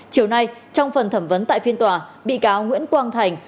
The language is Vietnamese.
chiều nay trong phần thẩm vấn tại phiên tòa bị cáo nguyễn quang thành